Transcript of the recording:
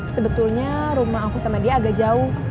sebetulnya rumah aku sama dia agak jauh